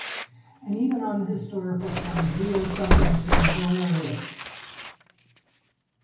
And even on the historical side we owe something to Valerius.